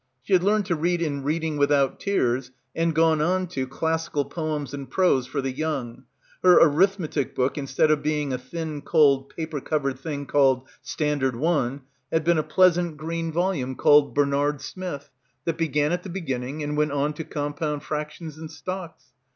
She had learned to read in "Reading without Tears," and gone on to "Classical Poems and Prose for the Young," her arithmetic book instead of being a thin cold paper covered thing called Standard I, had been a pleas ant green volume called "Barnard Smith," that began at the beginning and went on to compound fractions and stocks.